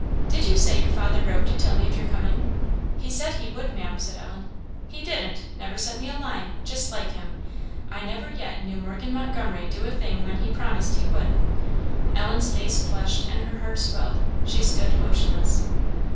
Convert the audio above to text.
"Did you say your father wrote to tell me of your coming?" "He said he would, Maam," said Ellen. "He didn't! Never sent me a line. Just like him! I never yet knew Morgan Montgomery do a thing when he promised he would." Ellen's face flushed, and her heart swelled. She stood motionless.